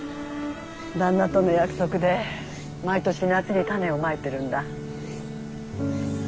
旦那との約束で毎年夏に種をまいてるんだ。